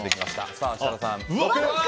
さあ設楽さん。